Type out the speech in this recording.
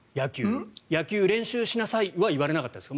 野球、練習しなさいは言われなかったですか？